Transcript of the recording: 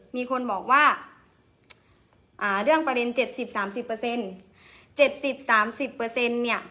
มีคนบอกว่าอ่าเรื่องประเด็นเจ็ดสิบสามสิบเปอร์เซ็นต์เจ็ดสิบสามสิบเปอร์เซ็นต์เนี้ย